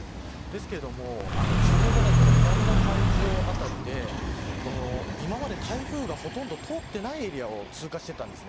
ですがちょうど南の海上あたりで今まで台風がほとんど通っていないエリアを通過していたんです。